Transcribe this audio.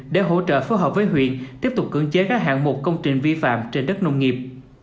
để hỗ trợ phối hợp với huyện tiếp tục cưỡng chế các hạng mục công trình vi phạm trên đất nông nghiệp